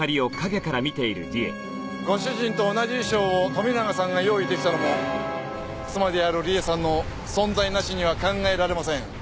ご主人と同じ衣装を富永さんが用意出来たのも妻である梨絵さんの存在なしには考えられません。